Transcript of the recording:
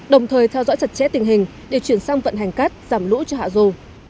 đồng thời theo dõi chặt chẽ tình hình để chuyển sang vận hành cắt giảm lũ cho hạ dù